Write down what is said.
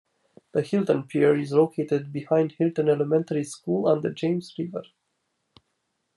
The Hilton Pier is located behind Hilton Elementary School on the James River.